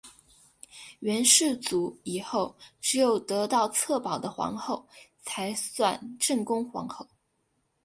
元世祖以后只有得到策宝的皇后才算正宫皇后。